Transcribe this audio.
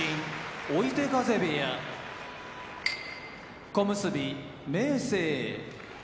追手風部屋小結・明生